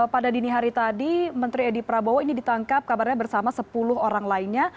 pada dini hari tadi menteri edi prabowo ini ditangkap kabarnya bersama sepuluh orang lainnya